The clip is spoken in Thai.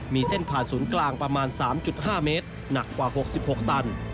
มีเส้นผ่านศูนย์กลางประมาณ๓๕เมตรหนักกว่า๖๖ตัน